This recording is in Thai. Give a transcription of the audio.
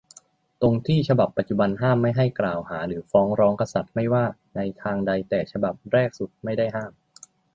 ตรงที่ฉบับปัจจุบันห้ามไม่ให้กล่าวหาหรือฟ้องร้องกษัตริย์ไม่ว่าในทางใด แต่ฉบับแรกสุดไม่ได้ห้าม